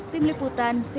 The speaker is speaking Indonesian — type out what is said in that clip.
tim liputan cnn indonesia